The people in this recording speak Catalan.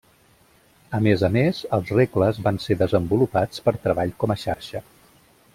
A més a més, els regles van ser desenvolupats per treball com a xarxa.